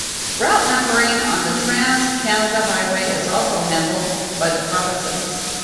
Route numbering on the Trans-Canada Highway is also handled by the provinces.